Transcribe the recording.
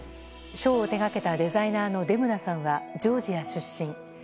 ショーを手掛けたデザイナーのデムナさんはジョージア出身。